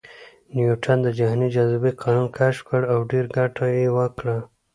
نیوټن د جهاني جاذبې قانون کشف کړ او ډېره ګټه یې وکړه